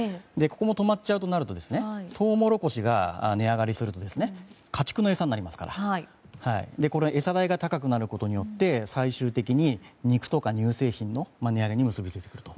ここも止まっちゃうとなるとトウモロコシが値上がりすると家畜の餌になりますから餌代が高くなることによって最終的に肉とか乳製品の値上げに結びついてくると。